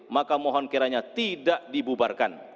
maka mohon kiranya tidak dibubarkan